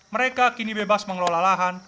mereka kini bebas mengelola lahan